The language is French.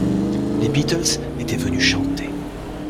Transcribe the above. Les Beatles étaient venus chanter.